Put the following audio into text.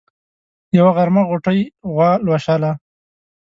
يوه غرمه غوټۍ غوا لوشله.